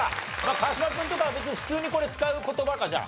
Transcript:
川島君とかは別に普通にこれ使う言葉かじゃあ。